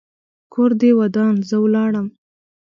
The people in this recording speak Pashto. کور دې ودان؛ زه ولاړم.